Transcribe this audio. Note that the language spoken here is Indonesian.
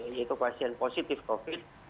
yaitu pasien positif covid